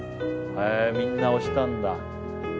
へえみんな押したんだ。